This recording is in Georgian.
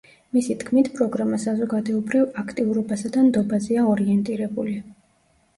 მისი თქმით, პროგრამა საზოგადოებრივ აქტიურობასა და ნდობაზეა ორინეტირებული.